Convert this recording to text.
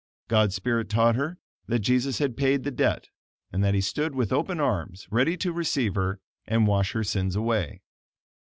God's spirit taught her that Jesus had paid the debt, and that He stood with open arms ready to receive her, and wash her sins away.